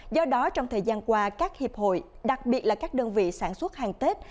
do đó trong thời gian qua các hiệp hội đặc biệt là các đơn vị sản xuất hàng tết